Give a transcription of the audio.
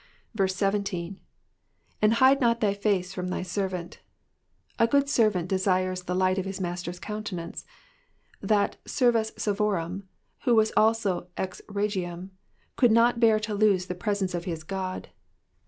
*' 17. ^'And hide not thy face from thy servant.' A good servant desires the light of his master's countenance ; that servus servorum, who was also rex regium, could not bear to lose the presence of his God.